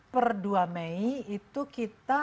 per dua mei itu kita